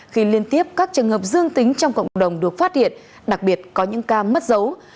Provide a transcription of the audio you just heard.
khi liên tiếp các trường hợp dương tính trong cộng đồng được phát hiện đặc biệt có những ca mất dấu